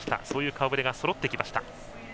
そういう顔ぶれがそろってきました。